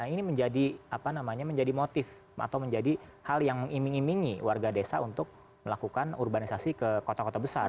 ini menjadi motif atau menjadi hal yang mengiming imingi warga desa untuk melakukan urbanisasi ke kota kota besar